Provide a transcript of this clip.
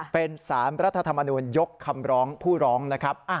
เป็นสารรัฐธรรมนูญยกคำร้องผู้ร้องนะครับ